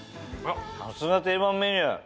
さすが定番メニュー。